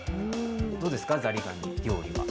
どうですか、ザリガニ料理は。